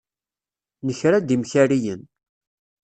Nekra-d imkariyen.